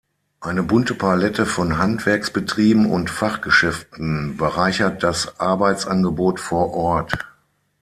Eine bunte Palette von Handwerksbetrieben und Fachgeschäften bereichert das Arbeitsangebot vor Ort.